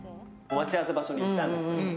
待ちあわせ場所に行ったんです。